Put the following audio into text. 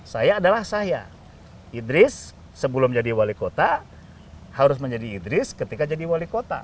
saya adalah saya idris sebelum jadi wali kota harus menjadi idris ketika jadi wali kota